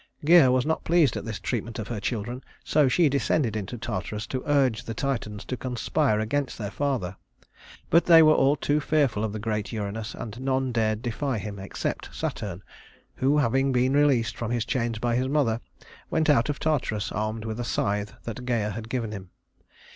Gæa was not pleased at this treatment of her children, so she descended into Tartarus to urge the Titans to conspire against their father. But they were all too fearful of the great Uranus and none dared defy him except Saturn, who, having been released from his chains by his mother, went out of Tartarus armed with a scythe that Gæa had given him.